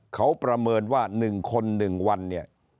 เขาประเมินว่า๑คน๑วันเนี่ย